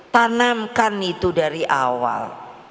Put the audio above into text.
tanamkan itu dari awal